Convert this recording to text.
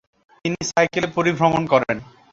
তিনি সাইকেলে পরিভ্রমণ করেন।